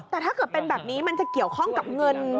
แต่ถ้าเกิดเป็นแบบนี้มันจะเกี่ยวข้องกับเงิน